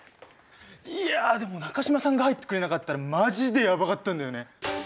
いやあでも中島さんが入ってくれなかったらマジでやばかったんだよね。